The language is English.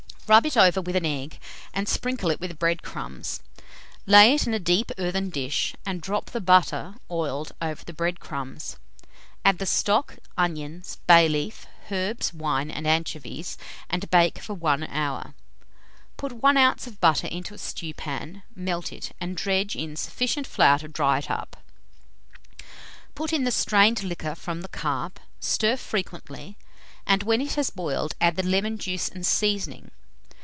Rub it over with an egg, and sprinkle it with bread crumbs, lay it in a deep earthen dish, and drop the butter, oiled, over the bread crumbs. Add the stock, onions, bay leaf, herbs, wine, and anchovies, and bake for 1 hour. Put 1 oz. of butter into a stewpan, melt it, and dredge in sufficient flour to dry it up; put in the strained liquor from the carp, stir frequently, and when it has boiled, add the lemon juice and seasoning.